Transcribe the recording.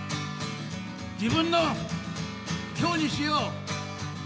自分の今日にしよう！